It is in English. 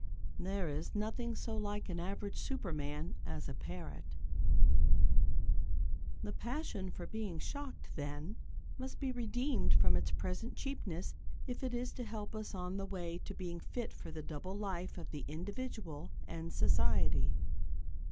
There is nothing so like an average superman as a parrot. The passion for being shocked, then, must be redeemed from its present cheapness if it is to help us on the way to being fit for the double life of the individual and society.